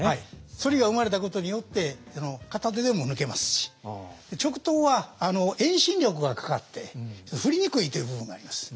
反りが生まれたことによって片手でも抜けますし直刀は遠心力がかかって振りにくいっていう部分があります。